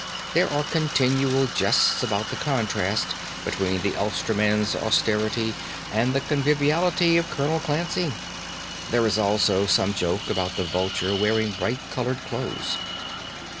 There are continual jests about the contrast between this Ulsterman's austerity and the conviviality of Colonel Clancy. There is also some joke about the Vulture wearing bright coloured clothes.